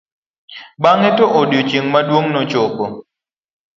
bange to odiochieng' maduong nochopo